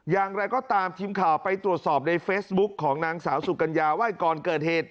อย่างไรก็ตามทีมข่าวไปตรวจสอบในเฟซบุ๊คของนางสาวสุกัญญาว่าก่อนเกิดเหตุ